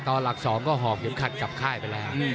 ตอนหลัก๒ก็ห่อเก็บขัดกับค่ายไปแล้ว